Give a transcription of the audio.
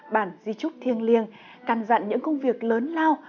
bản di trúc thiêng liêng căn dặn những công việc lớn lao